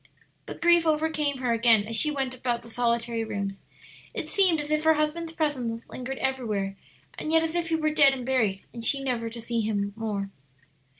But grief overcame her again as she went about the solitary rooms; it seemed as if her husband's presence lingered everywhere, and yet as if he were dead and buried, and she never to see him more.